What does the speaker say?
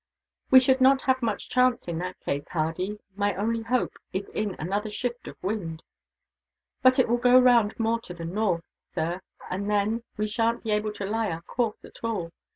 "We should not have much chance, in that case, Hardy; my only hope is in another shift of wind." "But it will go round more to the north, sir, and then we sha'n't be able to lie our course, at all.